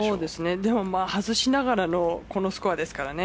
外しながらのこのスコアですからね